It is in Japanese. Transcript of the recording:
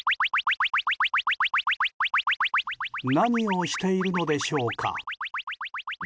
何をしているのでしょうか？